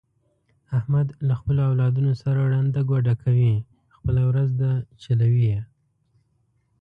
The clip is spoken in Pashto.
احمد له خپلو اولادونو سره ړنده ګوډه کوي، خپله ورځ ده چلوي یې.